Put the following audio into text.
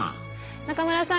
中村さん